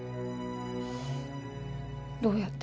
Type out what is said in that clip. どうやって？